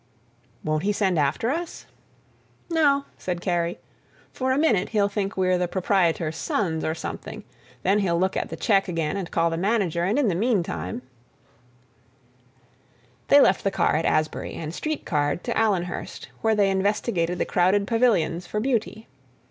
"Won't he send after us?" "No," said Kerry; "for a minute he'll think we're the proprietor's sons or something; then he'll look at the check again and call the manager, and in the meantime—" They left the car at Asbury and street car'd to Allenhurst, where they investigated the crowded pavilions for beauty.